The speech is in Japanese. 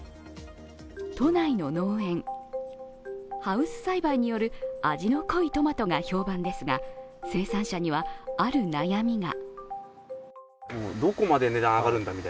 都内の農園、ハウス栽培による、味の濃いトマトが評判ですが生産者には、ある悩みが。